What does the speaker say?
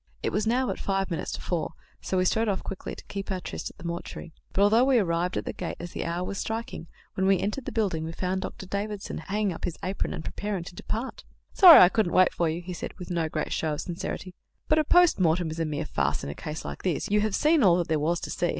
It was now but five minutes to four, so we strode off quickly to keep our tryst at the mortuary; but although we arrived at the gate as the hour was striking, when we entered the building we found Dr. Davidson hanging up his apron and preparing to depart. "Sorry I couldn't wait for you," he said, with no great show of sincerity, "but a post mortem is a mere farce in a case like this; you have seen all that there was to see.